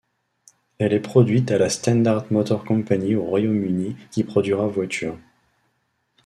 Elle est produite à la Standard Motor Company au Royaume-Uni qui produira voitures.